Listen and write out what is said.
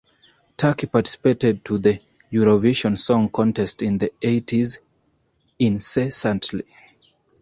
Turkey participated to the Eurovision Song Contest in the eighties incessantly.